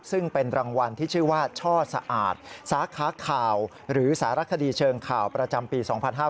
ซึ่งเป็นรางวัลที่ชื่อว่าช่อสะอาดสาขาข่าวหรือสารคดีเชิงข่าวประจำปี๒๕๕๙